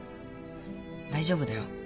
大丈夫だよ。